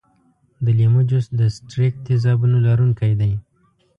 د لیمو جوس د ستریک تیزابونو لرونکی دی.